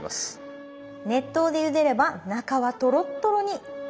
熱湯でゆでれば中はトロットロに。